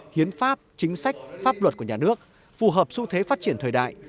hiến pháp chính sách pháp luật của nhà nước phù hợp xu thế phát triển thời đại